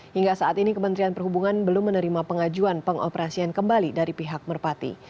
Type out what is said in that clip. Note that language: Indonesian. hingga saat ini kementerian perhubungan belum menerima pengajuan pengoperasian kembali dari pihak merpati